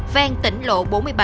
vang tỉnh lộ bốn mươi bảy